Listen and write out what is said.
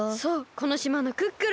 この島のクックルン！